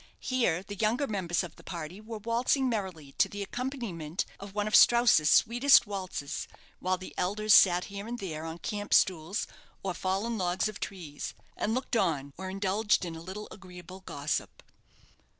Here the younger members of the party were waltzing merrily to the accompaniment of one of Strauss's sweetest waltzes; while the elders sat here and there on camp stools or fallen logs of trees, and looked on, or indulged in a little agreeable gossip.